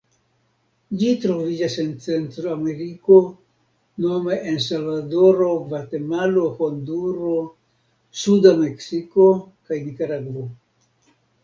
Ĝi troviĝas en Centrameriko nome en Salvadoro, Gvatemalo, Honduro, suda Meksiko kaj Nikaragvo.